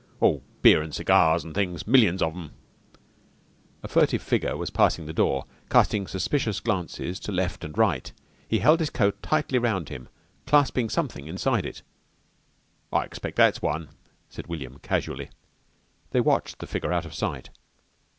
"Oh, beer an' cigars an' things. Millions of them." A furtive figure was passing the door, casting suspicious glances to left and right. He held his coat tightly round him, clasping something inside it. "I expect that's one," said William casually. They watched the figure out of sight.